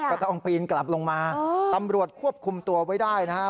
ก็ต้องปีนกลับลงมาตำรวจควบคุมตัวไว้ได้นะฮะ